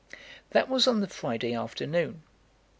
That was on the Friday afternoon.